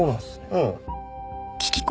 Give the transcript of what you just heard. うん。